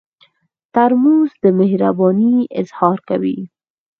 ترموز د مهربانۍ اظهار کوي.